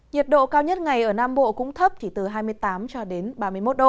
nhiệt độ cao nhất ngày ở nam bộ cũng thấp chỉ từ hai mươi tám cho đến ba mươi một độ